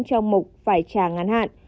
trong một phải trả ngắn hạn